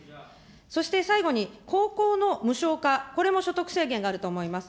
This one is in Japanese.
そして最後に、高校の無償化、これも所得制限があると思います。